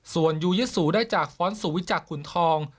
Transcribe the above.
ส่วนยูยิซูได้จากฟ้อนสุวิจักรขุนทอง